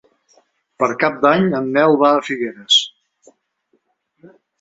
Per Cap d'Any en Nel va a Figueres.